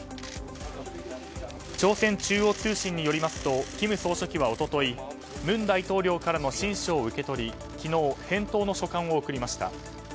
朝鮮中央通信によりますと金総書記は一昨日文大統領からの親書を受け取り昨日、返答の書簡を送りました。